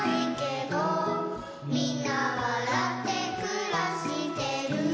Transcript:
「みんなわらってくらしてる」